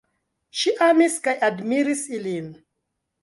Ŝi amis kaj admiris ilin.